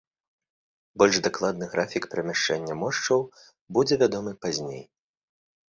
Больш дакладны графік перамяшчэння мошчаў будзе вядомы пазней.